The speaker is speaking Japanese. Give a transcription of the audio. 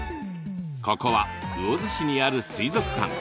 ここは魚津市にある水族館。